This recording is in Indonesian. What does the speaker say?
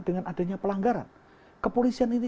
dengan adanya pelanggaran kepolisian ini